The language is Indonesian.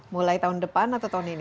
mulai tahun depan atau tahun ini